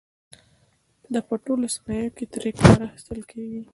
دا په ټولو صنایعو کې ترې کار اخیستل کېږي.